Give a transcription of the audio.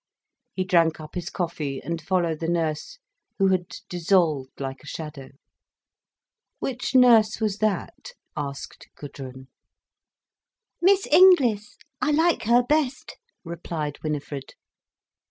He drank up his coffee, and followed the nurse, who had dissolved like a shadow. "Which nurse was that?" asked Gudrun. "Miss Inglis—I like her best," replied Winifred.